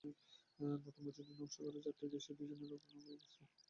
নতুন মসজিদের নকশাটি চারটি দেশীয় ডিজাইনার দ্বারা নকশাকৃত।